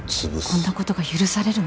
こんなことが許されるんですか？